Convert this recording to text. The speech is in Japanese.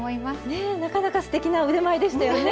ねえなかなかすてきな腕前でしたよね？